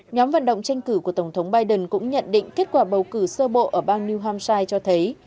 nhóm vận động tranh cử của tổng thống biden cũng nhận định kết quả bầu cử sơ bộ ở bang new hampshire cho thấy